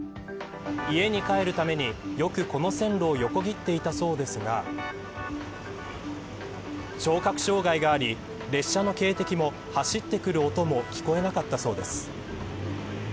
家に帰るために、よくこの線路を横切っていたそうですが聴覚障害があり列車の警笛も、走ってくる音も聞こえなかったそうです。